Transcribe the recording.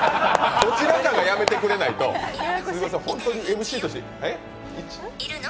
どちらかがやめてくれないと、本当にＭＣとしているの？